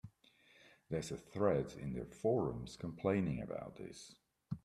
There's a thread in their forums complaining about this.